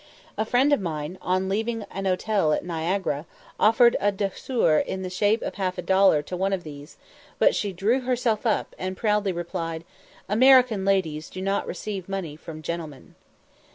A friend of mine, on leaving an hotel at Niagara, offered a douceur in the shape of half a dollar to one of these, but she drew herself up, and proudly replied, "American ladies do not receive money from gentlemen."